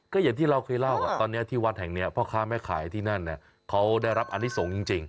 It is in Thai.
ก็อย่างที่เราเคยเล่าตอนนี้ที่วัดแห่งนี้พ่อค้าแม่ขายที่นั่นเขาได้รับอนิสงฆ์จริง